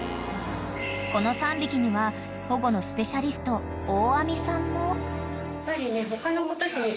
［この３匹には保護のスペシャリスト大網さんも］